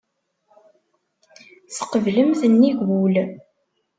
Tqeblemt nnig wul.